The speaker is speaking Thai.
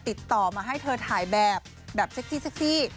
ติดต่อมาให้เธอถ่ายแบบแบบเซ็กซี่เซ็กซี่